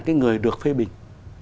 cái người được phê bình